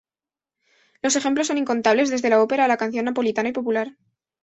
Los ejemplos son incontables, desde la ópera a la canción napolitana y popular.